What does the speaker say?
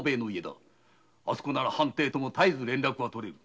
あそこなら藩邸とも絶えず連絡がとれる。